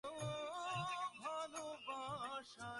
কারণ তাকে আমাদের খুব দরকার।